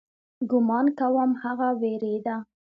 ګومان کوم هغه وېرېده.